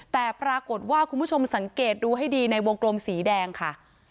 แต่ปรากฏว่าคุณผู้ชมสังเกตดูให้ดีในวงกลมสีแดงค่ะ